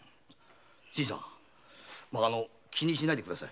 新さん気にしないでください。